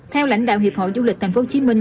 theo lãnh đạo hiệp hội du lịch thành phố hồ chí minh